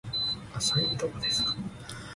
アサイーどこですか